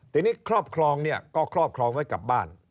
ทีนี้ครอบครองเนี่ยก็ครอบครองไว้กลับบ้าน